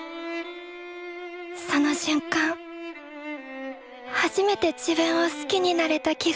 その瞬間初めて自分を好きになれた気がしたのです